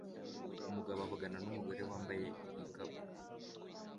Umugabo avugana numugore wambaye igikapu